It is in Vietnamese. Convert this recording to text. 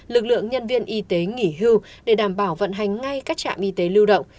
lực lượng nhân viên y tế nghỉ hưu để đảm bảo vận hành ngay các trạm y tế lưu động